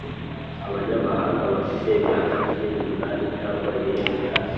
abanyamahanga bafite imyaka cumi n’umunani cyangwa irenga,